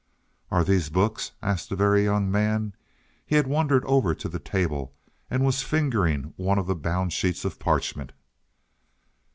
"Are these books?" asked the Very Young Man; he had wandered over to the table and was fingering one of the bound sheets of parchment.